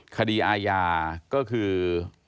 คดีอาญาก็คือ